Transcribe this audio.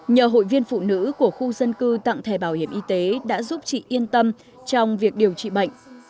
nhờ hội viên phụ nữ của khu dân cư tặng thẻ bảo hiểm y tế đã giúp chị yên tâm trong việc điều trị bệnh